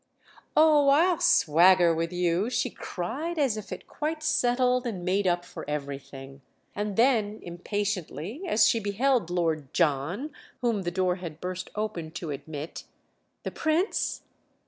"Oh, I'll swagger with you!" she cried as if it quite settled and made up for everything; and then impatiently, as she beheld Lord John, whom the door had burst open to admit: "The Prince?"